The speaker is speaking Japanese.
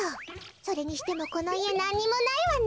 それにしてもこのいえなんにもないわね。